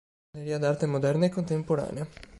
Galleria d'arte moderna e contemporanea